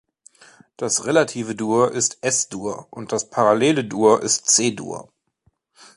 Das relative Dur ist Es-Dur, und das parallele Dur ist C-Dur.